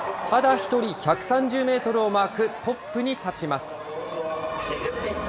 ただ一人、１３０メートルをマーク、トップに立ちます。